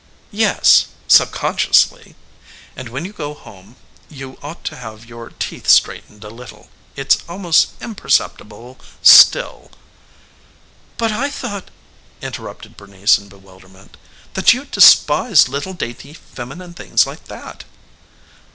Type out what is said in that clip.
"Yes subconsciously. And when you go home you ought to have your teeth straightened a little. It's almost imperceptible, still " "But I thought," interrupted Bernice in bewilderment, "that you despised little dainty feminine things like that."